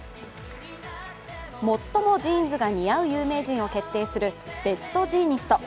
最もジーンズが似合う有名人を決定するベストジーニスト。